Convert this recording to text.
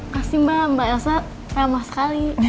kasih mbak mbak elsa ramah sekali